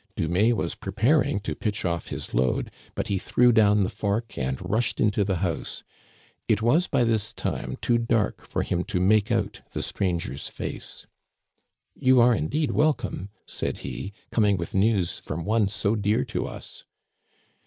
Dumais was preparing to pitch off his load, but he threw down the fork and Digitized by VjOOQIC 2/6 THE CANADIANS OF OLD. rushed into the house. It was by this time too dark for him to make out the stranger's face. "You are indeed welcome," said he, "coming with news from one so dear to us."